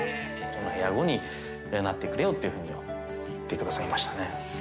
部屋子になってくれよっていうふうには言ってくださいましたね。